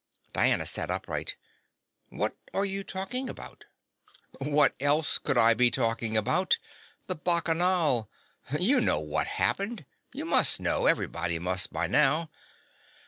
Diana sat upright. "What are you talking about?" "What else would I be talking about? The Bacchanal. You know what happened. You must know everybody must by now.